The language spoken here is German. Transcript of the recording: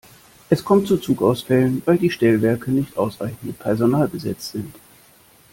Es kommt zu Zugausfällen, weil die Stellwerke nicht ausreichend mit Personal besetzt sind.